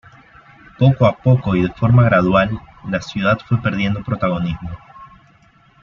Poco a poco y de forma gradual, la ciudad fue perdiendo protagonismo.